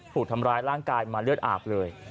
ถูกทำร้ายร่างกายมาเลือดอาบเลย